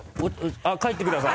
あっ帰ってください。